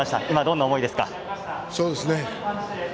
今、どんな思いですか？